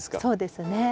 そうですね。